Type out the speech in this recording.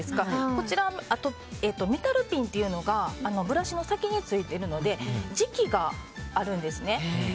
こちらはメタルピンっていうのがブラシの先についているので磁気があるんですね。